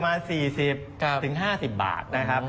ตั้งแต่ครับนับอยู่ประมาณ๔๐๕๐บาทบาทนะครับ